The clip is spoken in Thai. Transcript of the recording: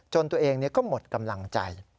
ตัวเองก็หมดกำลังใจ